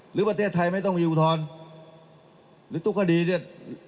หรือประเทศไทยไม่ต้องมีอุทธรณ์หรือทุกคดีเนี่ย